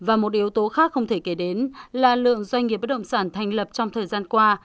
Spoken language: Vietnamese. và một yếu tố khác không thể kể đến là lượng doanh nghiệp bất động sản thành lập trong thời gian qua